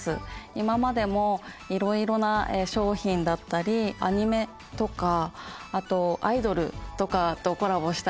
今までもいろいろな商品だったりアニメとかあとアイドルとかとコラボしたりとか。